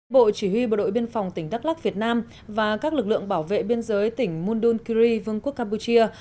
bộ chỉ huy bộ đội biên phòng tỉnh đắk lắc việt nam và các lực lượng bảo vệ biên giới tỉnh mundunkiri vương quốc campuchia